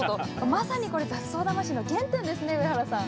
まさにこれ雑草魂の原点ですね、上原さん。